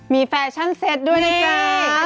มีแฟชั่นเซ็ตด้วยนะคะ